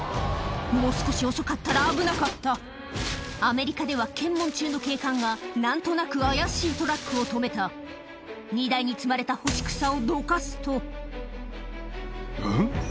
もう少し遅かったら危なかったアメリカでは検問中の警官が何となく怪しいトラックを止めた荷台に積まれた干し草をどかすとうん？